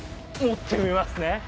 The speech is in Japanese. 持ってみますね。